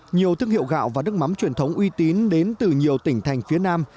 nhiều thương hiệu gạo và nước mắm truyền thống uy tín đến từ nhiều tỉnh thành phía nam